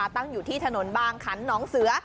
ตั้งอยู่ที่ถนนบางขันน้องเสือ